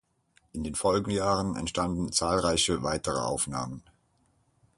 In den Folgejahren entstanden zahlreiche weitere Aufnahmen.